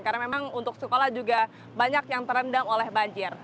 karena memang untuk sekolah juga banyak yang terendam oleh banjir